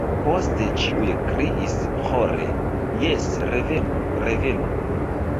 Poste ĉiuj kriis ĥore: “Jes, revenu, revenu.”